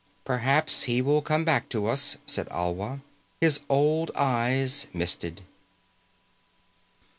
"Perhaps he will come back to us," said Alwa. His old eyes misted.